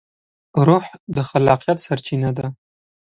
روح د خلاقیت سرچینه ده.